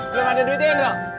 belum ada duitnya indro